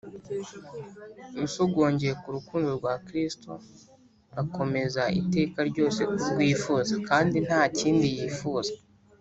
Usogongeye ku rukundo rwa Kristo akomeza iteka ryose kurwifuza; kandi nta kindi yifuza.